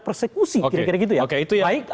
persekusi kira kira gitu ya baik